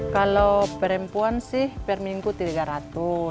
kalau perempuan sih per minggu rp tiga ratus